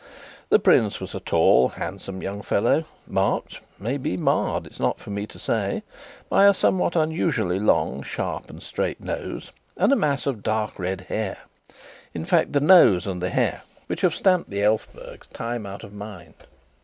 The prince was a tall, handsome young fellow, marked (maybe marred, it is not for me to say) by a somewhat unusually long, sharp and straight nose, and a mass of dark red hair in fact, the nose and the hair which have stamped the Elphbergs time out of mind.